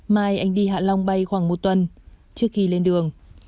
mai anh đi hạ long bay khoảng một tuần trước khi lên đường